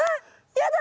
やだ！